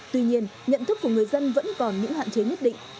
tuy nhiên nhận thức của người dân vẫn còn những hạn chế nhất định